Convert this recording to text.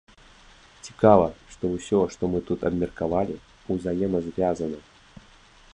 Цікава, што ўсё, што мы тут абмеркавалі, узаемазвязана.